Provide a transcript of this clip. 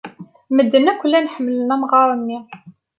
Medden akk llan ḥemmlen amɣar-nni.